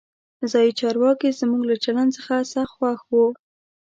ځایي چارواکي زموږ له چلند څخه سخت خوښ وو.